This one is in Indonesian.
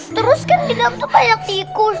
terus kan di dalam tuh banyak tikus